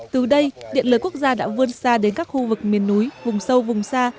từ đây điện lưới quốc gia đã vươn xa đến các khu vực miền núi vùng sâu vùng xa